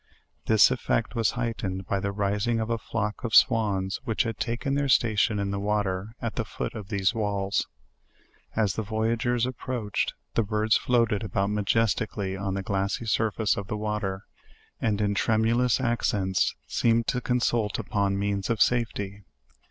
This effect was heightened by the rising of a flock of swans which had taken their station in .the water, at the foot of these walls. As the voyagers ap proached, the birds floated about majestically on the glassy surface of the water, and in tremulous accents seemed to consult upon means of safety.